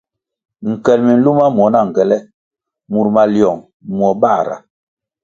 Nkel minluma muo na ngele mur maliong muo bãhra.